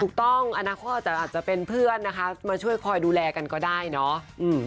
ถูกต้องอนาคตอาจจะเป็นเพื่อนนะคะมาช่วยคอยดูแลกันก็ได้เนาะ